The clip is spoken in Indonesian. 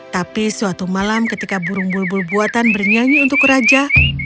tapi suatu malam ketika burung bulbul buatan bernyanyi untuk raja